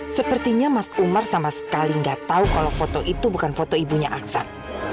sepertinya mas umar sama sekali nggak tahu kalau foto itu bukan foto ibunya aksan